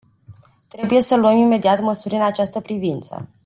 Trebuie să luăm imediat măsuri în această privință.